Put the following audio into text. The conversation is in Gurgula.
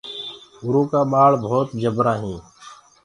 اُرو ڪآ ٻآݪ ڀوت جبرآ هينٚ۔